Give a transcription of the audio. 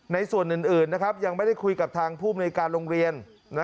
ในส่วนอื่นยังไม่ได้คุยกับทางภูมิในการโรงเรียน